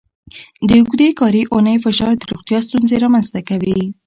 د اوږدې کاري اونۍ فشار د روغتیا ستونزې رامنځته کوي.